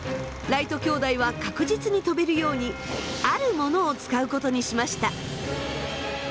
ライト兄弟は確実に飛べるようにあるものを使うことにしました。